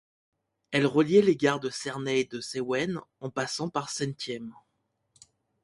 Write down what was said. Elle reliait les gares de Cernay et de Sewen, en passant par Sentheim.